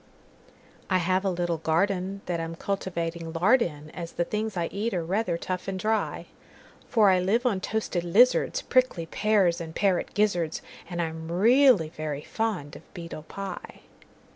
I have a little gardenThat I'm cultivating lard in, As the things I eat are rather tough and dry; For I live on toasted lizards, Prickly pears, and parrot gizzards, And I'm really very fond of beetle pie.